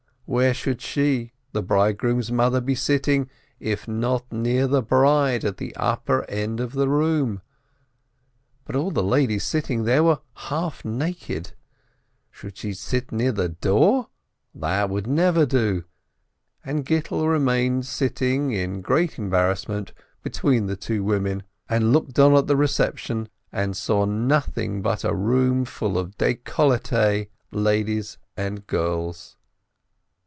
Where should she, the bridegroom's mother, be sitting, if not near the bride, at the upper end of the room ? But all the ladies sitting there are half naked. Should she sit near the door? That would never do. And Gittel remained sitting, in great embarrassment, between the two women, and looked on at the reception, and saw nothing but a room full of decolletees, ladies and girls.